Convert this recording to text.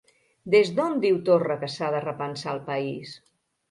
Des d'on diu Torra que s'ha de repensar el país?